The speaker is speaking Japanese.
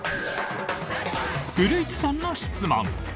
古市さんの質問。